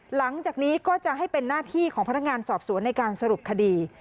หลังจากนี้ก็จะให้เป็นหน้าที่ของพนักงานสอบสวนในการสรุปคดี